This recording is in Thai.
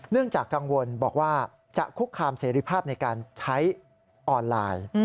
จากกังวลบอกว่าจะคุกคามเสรีภาพในการใช้ออนไลน์